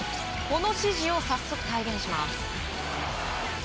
この指示をさっそく体現します。